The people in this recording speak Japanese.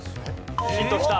ヒントきた。